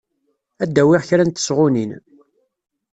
Ad awiɣ kra n tesɣunin.